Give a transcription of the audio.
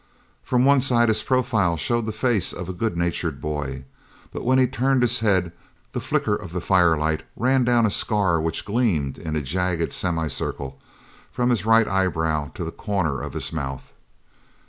From one side his profile showed the face of a good natured boy, but when he turned his head the flicker of the firelight ran down a scar which gleamed in a jagged semi circle from his right eyebrow to the corner of his mouth.